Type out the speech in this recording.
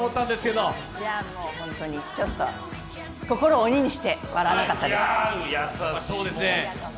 もうホントに、ちょっと心を鬼にして笑わなかったです。